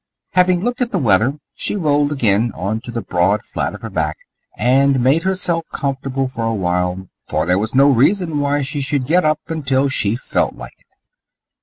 Having looked at the weather she rolled again on to the broad flat of her back and made herself comfortable for awhile, for there was no reason why she should get up until she felt like it.